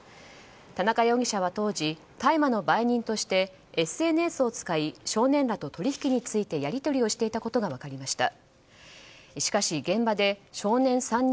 田中容疑者は当時大麻の売人としてＳＮＳを使い少年らと取引についてやりとりをしていたことが分かりました。